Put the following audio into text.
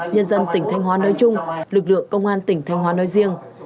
nhân dân tỉnh thanh hóa nơi chung lực lượng công an tỉnh thanh hóa nơi riêng